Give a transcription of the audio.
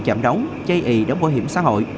chạm đóng chây ị đóng bảo hiểm xã hội